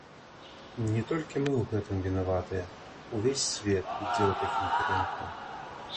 Не толькі мы ў гэтым вінаватыя, увесь свет ідзе ў такім кірунку.